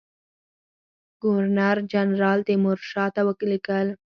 ګورنر جنرال تیمورشاه ته ولیکل.